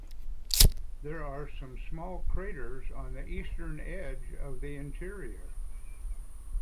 There are some small craters on the eastern edge of the interior.